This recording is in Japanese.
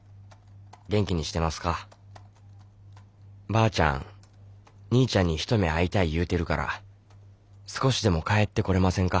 ばあちゃん兄ちゃんに一目会いたい言うてるから少しでも帰ってこれませんか？